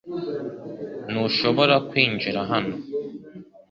Ntushobora kwinjira hano .